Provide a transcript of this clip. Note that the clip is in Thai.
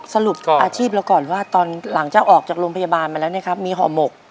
สรุปอาชีพเราก่อนว่าตอนหลังจะออกจากโรงพยาบาลมาแล้วนะครับมีห่อหมก